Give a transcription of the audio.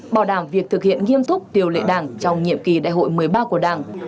bảo đảm việc thực hiện nghiêm túc điều lệ đảng trong nhiệm kỳ đại hội một mươi ba của đảng